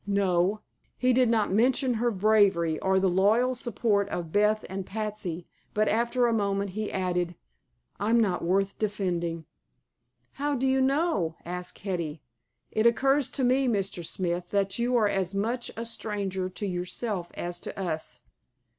"No." He did not mention her bravery, or the loyal support of Beth and Patsy, but after a moment he added: "I'm not worth defending." "How do you know?" asked Hetty. "It occurs to me, Mr. Smith, that you are as much a stranger to yourself as to us."